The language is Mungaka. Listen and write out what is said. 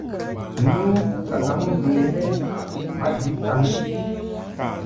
Nɨŋ kalaŋŋgɨŋ lɛ maji kaŋ.